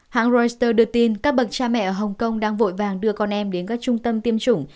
hãng reuters đưa tin các bậc cha mẹ ở hồng kông đang vội vàng đưa con em đến các trung tâm tiêm chủng